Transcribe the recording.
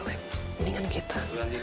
ini kan kita